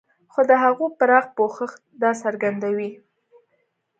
خو د هغو پراخ پوښښ دا څرګندوي.